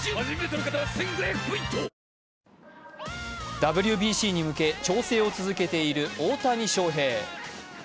ＷＢＣに向け調整を続けている大谷翔平。